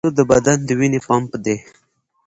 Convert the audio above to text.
زړه د بدن د وینې پمپ دی.